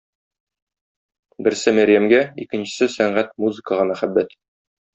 Берсе Мәрьямгә, икенчесе - сәнгать-музыкага мәхәббәт.